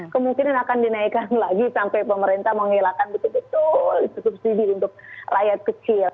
kemungkinan akan dinaikkan lagi sampai pemerintah menghilangkan betul betul subsidi untuk rakyat kecil